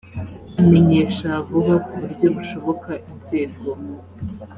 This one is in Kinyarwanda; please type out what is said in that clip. amenyesha vuba ku buryo bushoboka inzego